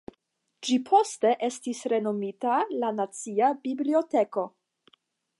Ĝi poste estis renomita la Nacia Biblioteko.